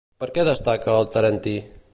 Per què destaca el tarentí?